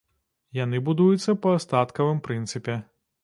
Яны будуюцца па астаткавым прынцыпе.